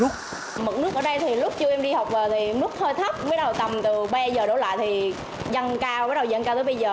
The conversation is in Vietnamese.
mực nước ở đây thì lúc chưa em đi học rồi thì nước hơi thấp bắt đầu tầm từ ba h đổ lại thì dâng cao bắt đầu dâng cao tới bây giờ